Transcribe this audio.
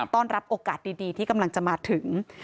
ต้อนรับโอกาสดีที่กำลังจะมาถึง